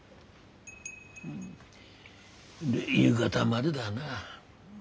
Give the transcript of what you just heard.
んで夕方までだな。